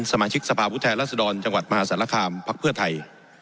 สมาชิกสภาพุทธแทนรัศดรจังหวัดมหาศาลคามพักเพื่อไทย